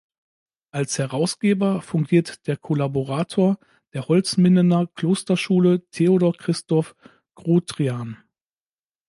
Als Herausgeber fungiert der Collaborator der Holzmindener Klosterschule, Theodor Christoph Grotrian.